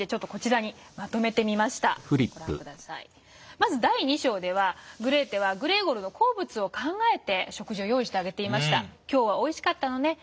まず第２章ではグレーテはグレーゴルの好物を考えて食事を用意してあげていました。